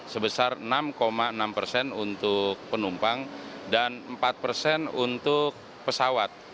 sebesar enam enam persen untuk penumpang dan empat persen untuk pesawat